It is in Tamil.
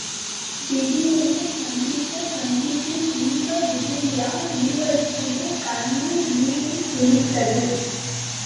திடீரெனச் சந்தித்த சந்திப்பின் இன்ப மிகுதியால் இருவருக்குமே கண்ணில் நீரும் துளித்தது.